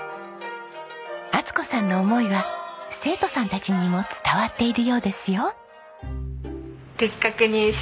充子さんの思いは生徒さんたちにも伝わっているようですよ。